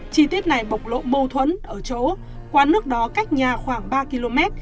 chi tiết này bộc lộ mâu thuẫn ở chỗ quán nước đó cách nhà khoảng ba km